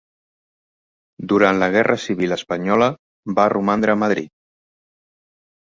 Durant la guerra civil espanyola va romandre a Madrid.